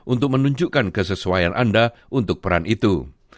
untuk menunjukkan kesesuaian anda untuk peran itu